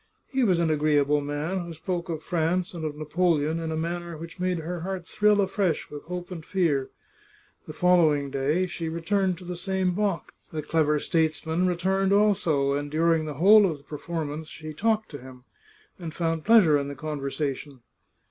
He was an agreeable man, who spoke of France and of Napoleon in a manner which made her heart thrill afresh with hope and fear. The following day she returned to the same box. The clever statesman returned also, and during the whole of the performance she talked to him, and found 97 The Chartreuse of Parma pleasure in the conversation.